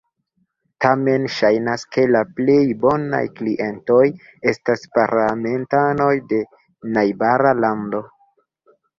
Tamen ŝajnas, ke la plej bonaj klientoj estas parlamentanoj de najbara lando.